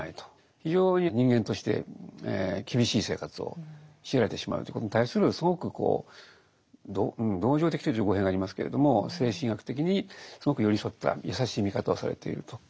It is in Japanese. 非常に人間として厳しい生活を強いられてしまうということに対するすごく同情的というと語弊がありますけれども精神医学的にすごく寄り添った優しい見方をされていると。